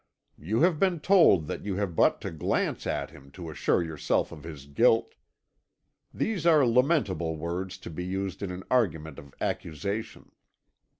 You have been told that you have but to glance at him to assure yourself of his guilt. These are lamentable words to be used in an argument of accusation.